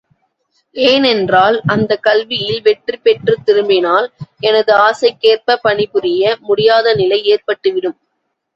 ஏனென்றால், அந்தக் கல்வியில் வெற்றிபெற்றுத் திரும்பினால், எனது ஆசைக்கேற்ப பணிபுரிய முடியாத நிலை ஏற்பட்டு விடும்.